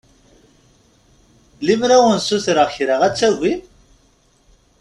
Lemmer ad wen-ssutreɣ kra ad tagim?